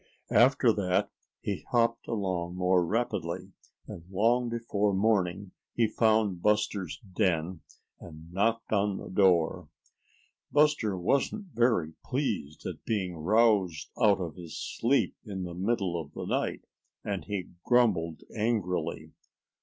After that he hopped along more rapidly, and long before morning he found Buster's den and knocked on the door. Buster wasn't very pleased at being roused out of his sleep in the middle of the night, and he grumbled angrily.